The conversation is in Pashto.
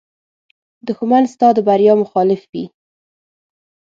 دښمن ستا د بریا مخالف وي